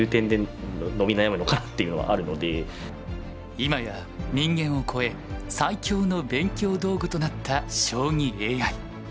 今や人間を超え最強の勉強道具となった将棋ＡＩ。